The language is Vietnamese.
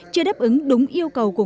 chưa đáp ứng đúng yêu cầu